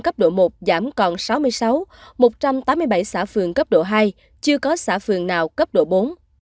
cấp độ một giảm còn sáu mươi sáu một trăm tám mươi bảy xã phường cấp độ hai chưa có xã phường nào cấp độ bốn